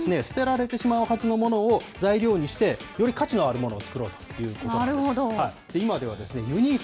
つまりは、捨てられてしまうはずのものを材料にして、より価値のあるものを作ろうということなんです。